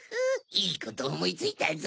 いいことおもいついたぞ。